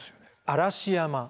嵐山。